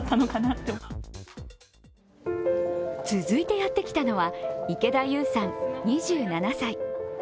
続いてやってきたのは池田優さん、２７歳。